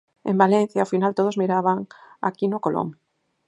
En Valencia, ao final todos miraban a Quino Colom.